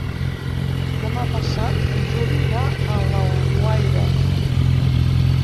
Demà passat en Juli va a Alguaire.